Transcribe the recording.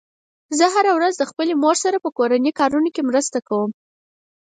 زه هره ورځ خپلې مور سره په کورنیو کارونو کې مرسته کوم